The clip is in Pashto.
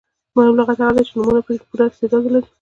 مهم لغت هغه دئ، چي د نومونو پوره استعداد ولري.